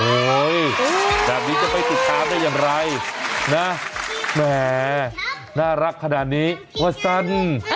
โอ้ยดังนี้จะไปติดตามได้อย่างไรแน่น่ารักขนาดนี้วัสซัน